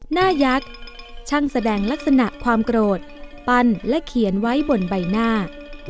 ยักษ์ช่างแสดงลักษณะความโกรธปั้นและเขียนไว้บนใบหน้า